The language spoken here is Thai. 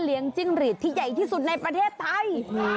จิ้งหรีดที่ใหญ่ที่สุดในประเทศไทย